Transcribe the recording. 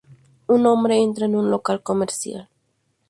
Un hombre entra en un local comercial.